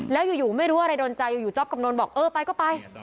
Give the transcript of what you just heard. แล้วอยู่ไม่รู้อะไรโดนใจอยู่จ๊อปกับนนบอกเออไปก็ไป